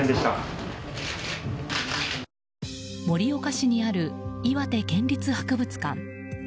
盛岡市にある岩手県立博物館。